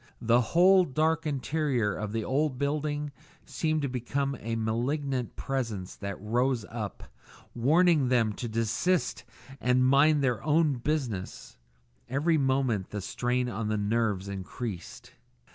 The whole dark interior of the old building seemed to become a malignant Presence that rose up, warning them to desist and mind their own business; every moment the strain on the nerves increased.